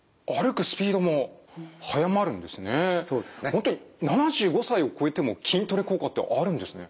本当に７５歳を超えても筋トレ効果ってあるんですね。